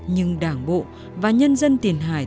nhưng đảng bộ và nhân dân tiền hải